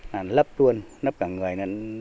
là lấp luôn lấp cả người